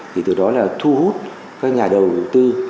thì từ đó là thu hút các nhà đầu tư